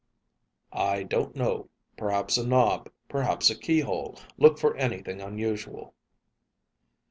"I don't know. Perhaps a knob, perhaps a keyhole. Look for anything unusual."